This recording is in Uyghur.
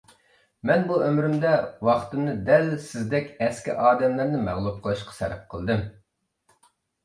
مەن بۇ ئۆمرۈمدە، ۋاقتىمنى دەل سىزدەك ئەسكى ئادەملەرنى مەغلۇپ قىلىشقا سەرپ قىلدىم.